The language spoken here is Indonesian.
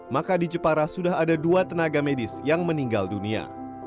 maka di jepara sudah ada dua tenaga medis yang meninggal dunia